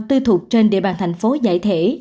tư thuộc trên địa bàn thành phố giải thể